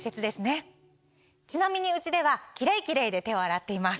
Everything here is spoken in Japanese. ちなみにうちではキレイキレイで手を洗っています。